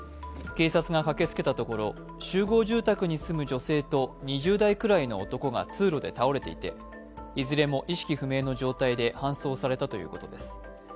警察が駆けつけたところ、集合住宅に住む女性と２０代くらいの男が通路で倒れていて、いずれも意識不明の状態で搬送されたということです。